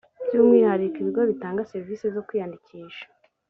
byu umwihariko ibigo bitanga serivisi zo kwiyandikisha